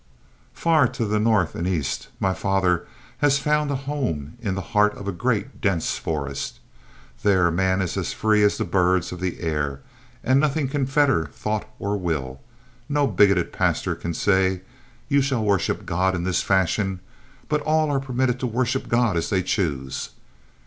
"Far to the north and east. My father has found a home in the heart of a great, dense forest. There man is as free as the birds of the air, and nothing can fetter thought or will. No bigoted pastor can say, 'You shall worship God in this fashion;' but all are permitted to worship God as they choose.